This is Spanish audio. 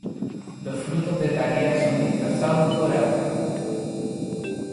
Los frutos de "Thalia" son dispersados por agua.